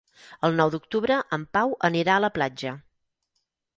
El nou d'octubre en Pau anirà a la platja.